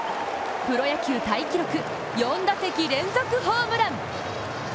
プロ野球タイ記録４打席連続ホームラン。